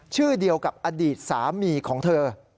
ชื่อเดียวกับอดีตสามีของเธอ